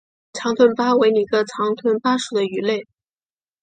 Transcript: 长臀鲃为鲤科长臀鲃属的鱼类。